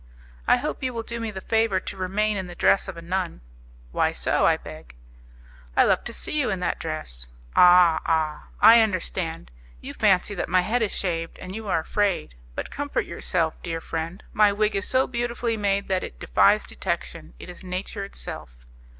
"I hope you will do me the favour to remain in the dress of a nun." "Why so, I beg?" "I love to see you in that dress." "Ah! ah! I understand. You fancy that my head is shaved, and you are afraid. But comfort yourself, dear friend, my wig is so beautifully made that it defies detection; it is nature itself."